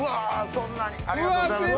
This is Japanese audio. そんなにありがとうございます。